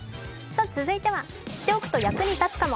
続いては知っとくと役に立つかも。